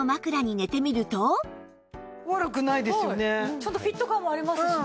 ちゃんとフィット感もありますしね。